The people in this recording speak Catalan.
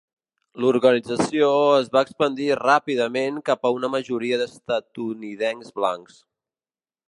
L'organització es va expandir ràpidament cap a una majoria d'estatunidencs blancs.